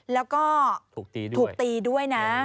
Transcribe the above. แล้วก็ถูกตีด้วยนะ